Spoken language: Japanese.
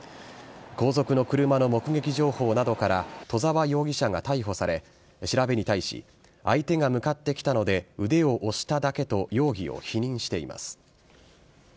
後続の車の目撃情報などから戸沢容疑者が逮捕され調べに対し相手が向かってきたので腕を押しただけと容疑を否認しています。